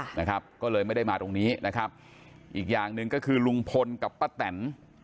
นะครับก็เลยไม่ได้มาตรงนี้นะครับอีกอย่างหนึ่งก็คือลุงพลกับป้าแตน